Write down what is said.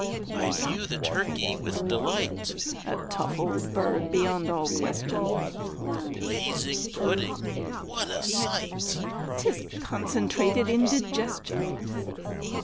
) I view the turkey with delight, (A tough old bird beyond all question!) The blazing pudding what a sight! ('Tis concentrated indigestion!